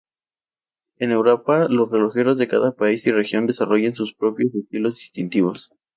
En Europa, los relojeros de cada país y región desarrollaron sus propios estilos distintivos.